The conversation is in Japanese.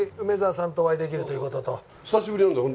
久しぶりなんだよ